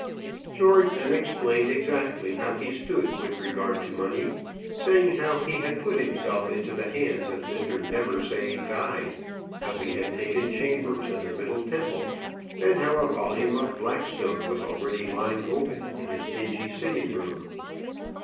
George then explained exactly how he stood with regard to money, saying how he had put himself into the hands of Mr. Neversaye Die, how he had taken chambers in the Middle Temple, and how a volume of Blackstone was already lying open in his dingy sitting room.